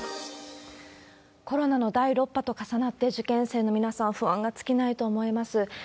コロナの第６波と重なって、受験生の皆さん、不安が尽きないと思います。